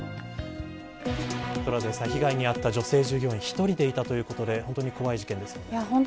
トラウデンさん被害に遭った女性従業員１人でいたということで本当に怖い事件ですよね。